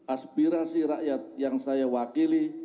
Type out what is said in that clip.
aspirasi rakyat yang saya wakili